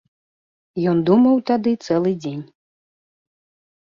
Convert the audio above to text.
Ён думаў тады цэлы дзень.